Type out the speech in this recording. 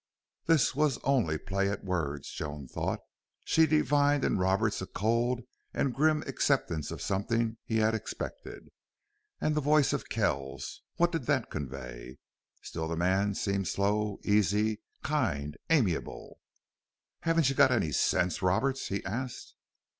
This was only play at words, Joan thought. She divined in Roberts a cold and grim acceptance of something he had expected. And the voice of Kells what did that convey? Still the man seemed slow, easy, kind, amiable. "Haven't you got any sense, Roberts?" he asked.